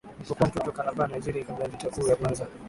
alipokuwa mtoto Calabar Nigeria kabla ya Vita Kuu ya Kwanza